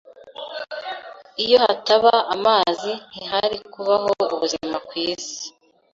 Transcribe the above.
Iyo hataba amazi, ntihari kubaho ubuzima kwisi.